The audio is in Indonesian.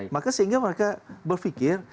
maka sehingga mereka berpikir